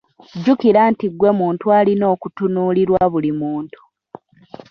Jjukira nti gwe muntu alina okutunuulirwa buli muntu.